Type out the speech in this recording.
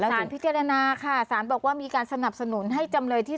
สารพิจารณาค่ะสารบอกว่ามีการสนับสนุนให้จำเลยที่๓